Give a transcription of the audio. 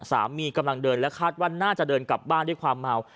กำลังเดินและคาดว่าน่าจะเดินกลับบ้านด้วยความเมา